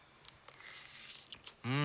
うん！